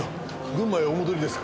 群馬へお戻りですか？